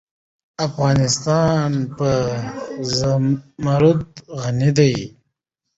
افغانستان په زمرد غني دی.